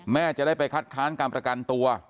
แม่จะได้ไปคัดค้านการประกันตัว